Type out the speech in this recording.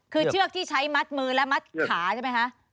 คือเชือกที่ใช้มัดมือและมัดขาใช่ไหมคะ